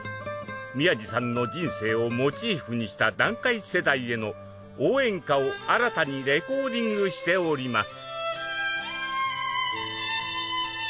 宮路さんの人生をモチーフにした団塊世代への応援歌を新たにレコーディングしております。